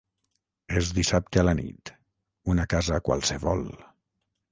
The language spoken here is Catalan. És dissabte a la nit, una casa qualsevol.